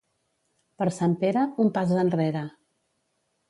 Per Sant Pere, un pas enrere.